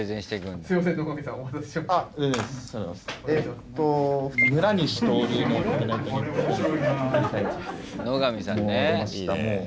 えっと野上さんね。